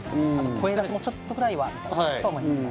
声出しもちょっとぐらいはと思います。